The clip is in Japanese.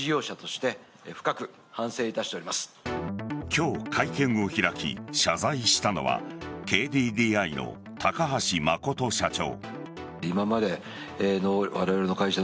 今日、会見を開き謝罪したのはＫＤＤＩの高橋誠社長。